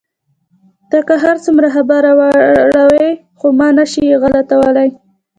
ته که هر څومره خبره واړوې، خو ما نه شې غلتولای.